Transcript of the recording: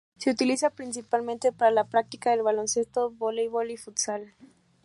Se utiliza principalmente para la práctica del baloncesto, voleibol y futsal.